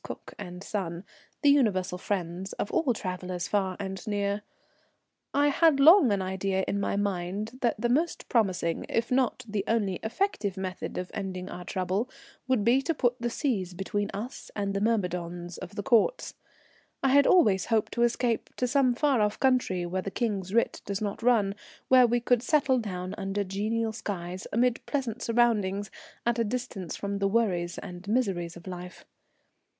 Cook and Son, the universal friends of all travellers far and near. I had long had an idea in my mind that the most promising, if not the only effective method of ending our trouble would be to put the seas between us and the myrmidons of the Courts. I had always hoped to escape to some far off country where the King's writ does not run, where we could settle down under genial skies, amid pleasant surroundings, at a distance from the worries and miseries of life.